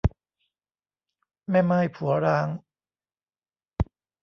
แม่ม่ายผัวร้าง